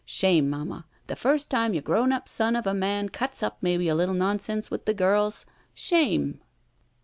Shame, Mamma, the first time your grown up son ci a man cuts up maybe a little nonsense with the giils! Shame!"